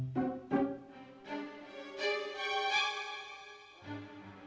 tolong si ntar ulernya matok